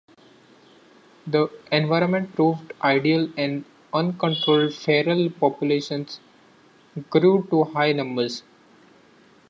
The environment proved ideal and the uncontrolled feral populations grew to high numbers.